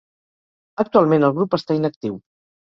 Actualment el grup està inactiu.